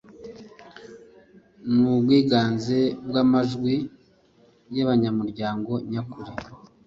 n ubwiganze bw amajwi y abanyamuryango nyakuri